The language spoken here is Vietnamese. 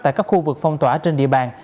tại các khu vực phong tỏa trên địa bàn